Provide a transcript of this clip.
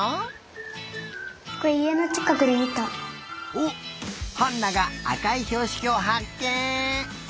おっハンナがあかいひょうしきをはっけん！